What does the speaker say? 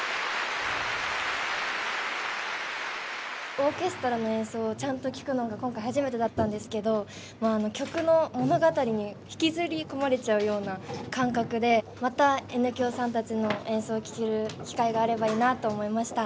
オーケストラの演奏をちゃんと聴くのが今回初めてだったんですけど曲の物語に引きずり込まれちゃうような感覚でまたＮ響さんたちの演奏を聴ける機会があればいいなあと思いました。